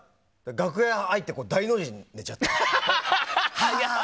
楽屋入って、大の字に寝ちゃって。